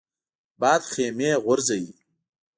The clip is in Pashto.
باد خیمې غورځوي